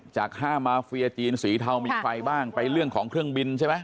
จาก๕มาเฟียจีนสีเทามีใครบ้างไปเรื่องของเครื่องบินใช่ไหม